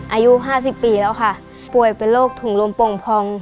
อายุ๕๐ปีแล้วค่ะป่วยเป็นโรคถุงลมโป่งพอง